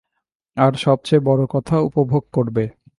আর সবচেয়ে বড় কথা, উপভোগ করবে।